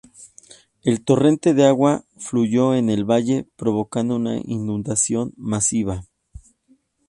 El torrente de agua fluyó por el valle, provocando una inundación masiva.